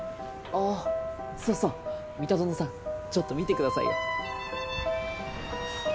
あっそうそう三田園さんちょっと見てくださいよ。